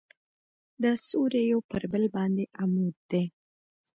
دا سوري یو پر بل باندې عمود دي.